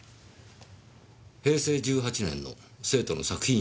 平成１８年の生徒の作品集ですか。